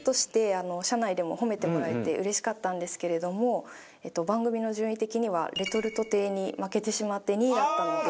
うれしかったんですけれども番組の順位的にはレトルト亭に負けてしまって２位だったので。